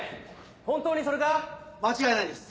本当にそれか⁉間違いないです。